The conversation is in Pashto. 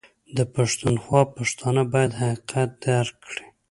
ده پښتونخوا پښتانه بايد حقيقت درک کړي